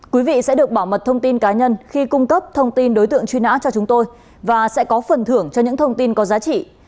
quý vị sẽ được bảo mật thông tin cá nhân khi cung cấp thông tin đối tượng truy nã cho chúng tôi và sẽ có phần thưởng cho những thông tin có giá trị